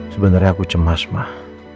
sebenernya aku cemas mak